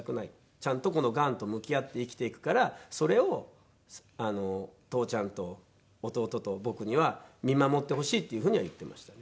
ちゃんとこのがんと向き合って生きていくからそれを父ちゃんと弟と僕には見守ってほしいっていうふうには言ってましたね。